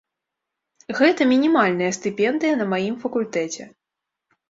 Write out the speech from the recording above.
Гэта мінімальная стыпендыя на маім факультэце.